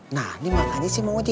nah ini makanya sih mau cari duit